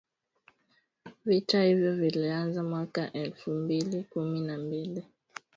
Vita hivyo vilianza mwaka elfu mbili kumi na mbili